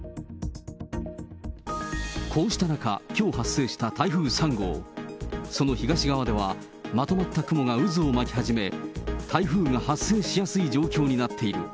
こうした中、きょう発生した台風３号、その東側ではまとまった雲が渦を巻き始め、台風が発生しやすい状況になっている。